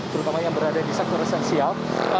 terutama yang berada di sektor esensial